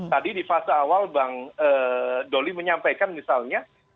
tadi di fase awal bang doli menyampaikan misalnya